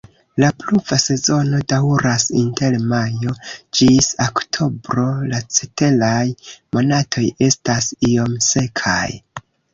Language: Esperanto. La pluva sezono daŭras inter majo ĝis oktobro, la ceteraj monatoj estas iom sekaj.